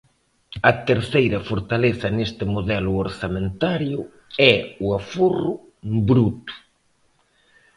A terceira fortaleza neste modelo orzamentario é o aforro bruto.